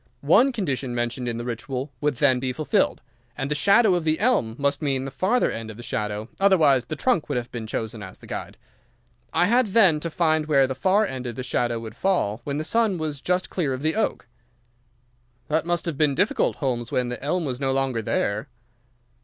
One condition mentioned in the Ritual would then be fulfilled. And the shadow of the elm must mean the farther end of the shadow, otherwise the trunk would have been chosen as the guide. I had, then, to find where the far end of the shadow would fall when the sun was just clear of the oak." "That must have been difficult, Holmes, when the elm was no longer there."